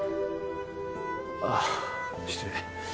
ああ失礼。